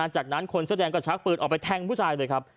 จากนั้นคนเสื้อแดงก็ชักปืนออกไปแทงผู้ชายเลยครับ